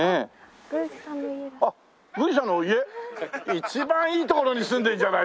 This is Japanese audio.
一番いい所に住んでるんじゃないですか！